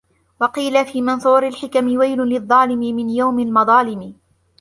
وَقِيلَ فِي مَنْثُورِ الْحِكَمِ وَيْلٌ لِلظَّالِمِ مِنْ يَوْمِ الْمَظَالِمِ